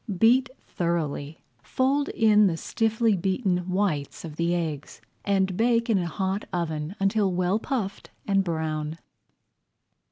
Beat thoroughly, fold in the stiffly beaten whites of the eggs, and bake in a hot oven until well puffed and brown.